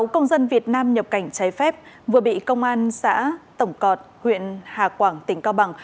sáu công dân việt nam nhập cảnh trái phép vừa bị công an xã tổng cọt huyện hà quảng tỉnh cao bằng